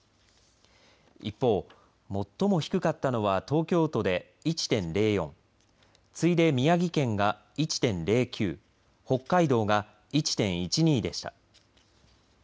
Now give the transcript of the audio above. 一方、最も低かったのは東京都で１．０４次いで宮城県が１．０９北海道が１．１２でした。